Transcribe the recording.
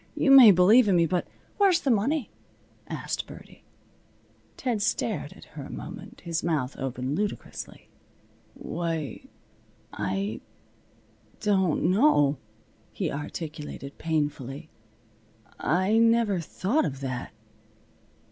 You may believe in me, but " "Where's the money?" asked Birdie. Ted stared at her a moment, his mouth open ludicrously. "Why I don't know," he articulated, painfully. "I never thought of that."